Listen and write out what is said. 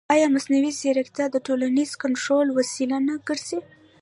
ایا مصنوعي ځیرکتیا د ټولنیز کنټرول وسیله نه ګرځي؟